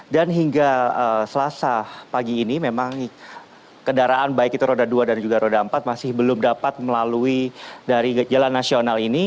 dan hingga selasa pagi ini memang kendaraan baik itu roda dua dan juga roda empat masih belum dapat melalui dari jalan nasional ini